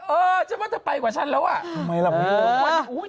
เออฉันว่าเธอไปกว่าฉันแล้วอ่ะทำไมล่ะไม่รู้ว่าอุ้ย